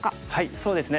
そうですね